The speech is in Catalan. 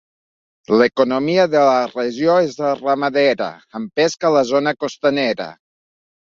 L'economia de la regió és ramadera, amb pesca a la zona costanera.